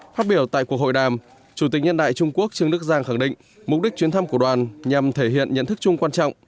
phát biểu tại cuộc hội đàm chủ tịch nhân đại trung quốc trương đức giang khẳng định mục đích chuyến thăm của đoàn nhằm thể hiện nhận thức chung quan trọng